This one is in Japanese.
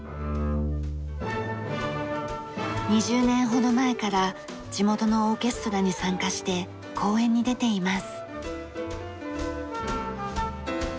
２０年ほど前から地元のオーケストラに参加して公演に出ています。